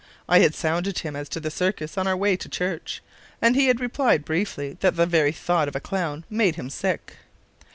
I had sounded him as to the circus on our way to church, and he had replied briefly that the very thought of a clown made him sick.